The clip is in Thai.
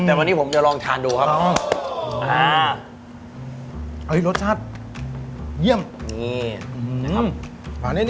แต่วันนี้ผมเดี๋ยวลองทานดูครับอ๋ออ่าเอ้ยรสชาติเยี่ยมนี่อืมนะครับ